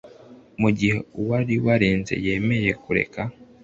mu gihe uwari wareze yemeye kureka